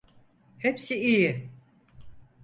Hepsi iyi.